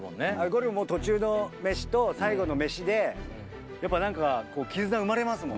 ゴルフも途中の飯と最後の飯でやっぱ何か絆が生まれますもん。